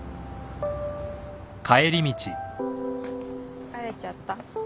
疲れちゃった？